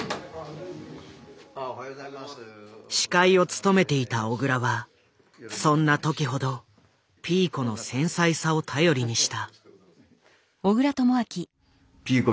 司会を務めていた小倉はそんな時ほどピーコの繊細さを頼りにした。